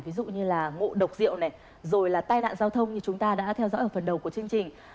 ví dụ như là ngộ độc rượu này rồi là tai nạn giao thông như chúng ta đã theo dõi ở phần đầu của chương trình